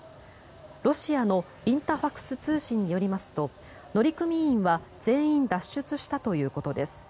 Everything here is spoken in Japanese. ロシアのインタファクス通信によりますと乗組員は全員脱出したということです。